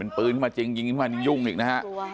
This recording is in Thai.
เป็นปืนมาจริงยิงมายุ่งอีกนะฮะ